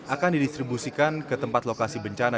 akan didistribusikan ke tempat lokasi bencana